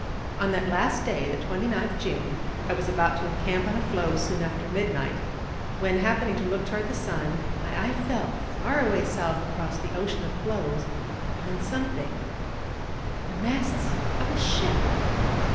On that last day the 29th June I was about to encamp on a floe soon after midnight, when, happening to look toward the sun, my eye fell, far away south across the ocean of floes, upon something the masts of a ship.